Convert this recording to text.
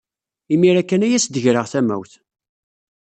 Imir-a kan ay as-d-greɣ tamawt.